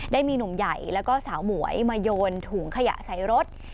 ได้มีหนุ่มใหญ่แล้วก็สาวหมวยมาโยนถุงขยะใส่รถ